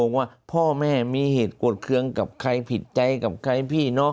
จะโยกว่าพ่อแม่มีเหตุกวดคลื่องกับใครผิดใจกับใครพี่